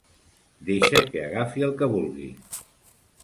Deixa que agafi el que vulgui.